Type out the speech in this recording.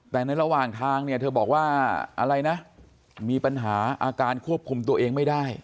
แต่ในระหว่างทางเธอบอกว่ามีปัญหาอาการควบคุมตัวเองไม่ได้